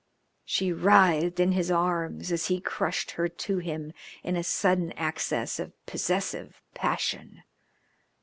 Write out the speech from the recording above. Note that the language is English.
She writhed in his arms as he crushed her to him in a sudden access of possessive passion.